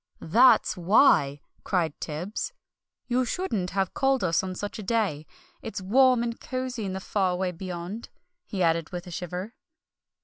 "That's why!" cried Tibbs. "You shouldn't have called us on such a day! It's warm and cosy in the Far away Beyond," he added, with a shiver.